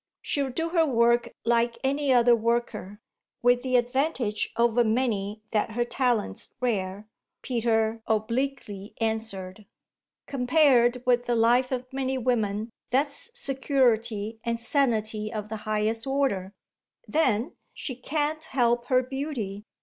"She'll do her work like any other worker, with the advantage over many that her talent's rare," Peter obliquely answered. "Compared with the life of many women that's security and sanity of the highest order. Then she can't help her beauty.